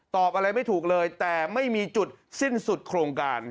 ตอบอะไรไม่ถูกเลยแต่ไม่มีจุดสิ้นสุดโครงการ